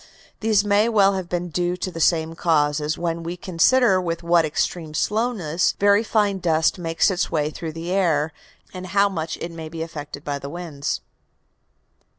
These may well have been due to the same cause, when we consider with what extreme slowness very fine dust makes its way through the air, and how much it may be affected by the winds.